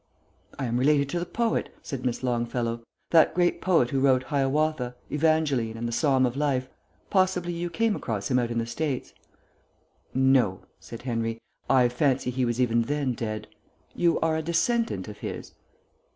"I am related to the poet," said Miss Longfellow. "That great poet who wrote Hiawatha, Evangeline, and The Psalm of Life. Possibly you came across him out in the States?" "No," said Henry. "I fancy he was even then dead. You are a descendant of his?"